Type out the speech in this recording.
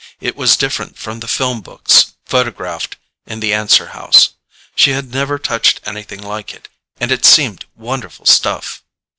It was different from the film books photographed in the answer house. She had never touched anything like it; and it seemed wonderful stuff.